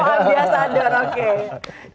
oh ambiasador oke